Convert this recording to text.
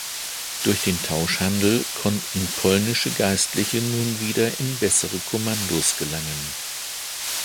Durch den Tauschhandel konnten polnische Geistliche nun wieder in bessere Kommandos gelangen.